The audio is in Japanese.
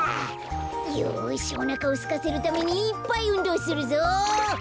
よしおなかをすかせるためにいっぱいうんどうするぞ。